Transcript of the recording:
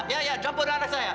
ya ya campur anak saya